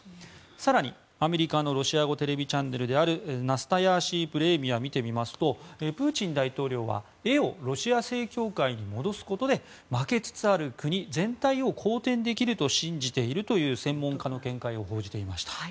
更に、アメリカのロシア語テレビチャンネルであるナスタヤーシー・ブレーミヤを見てみますとプーチン大統領は絵をロシア正教会に戻すことで負けつつある国全体を好転できると信じているという専門家の見解を報じていました。